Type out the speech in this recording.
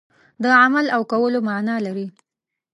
د عمل او کولو معنا لري.